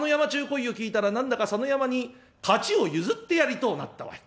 声を聞いたら何だか佐野山に勝ちを譲ってやりとうなったわい」。